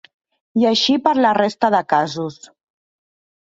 I així per la resta de casos.